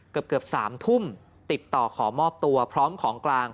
เกือบ๓ทุ่มติดต่อขอมอบตัวพร้อมของกลาง